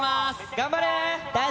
頑張れー！